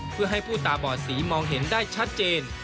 เพื่อให้ผู้ตาบอดสีมองเห็นได้ชัดเจน